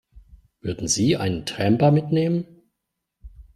Würden Sie einen Tramper mitnehmen?